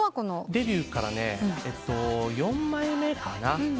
デビューから４枚目かな？